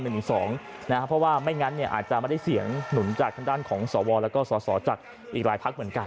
เพราะว่าไม่งั้นอาจจะไม่ได้เสียงหนุนจากทางด้านของสวแล้วก็สสจากอีกหลายพักเหมือนกัน